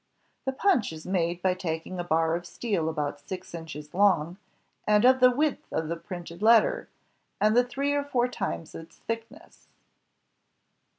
The punch is made by taking a bar of steel about six inches long, and of the width of a printed letter, and three or four times its thickness.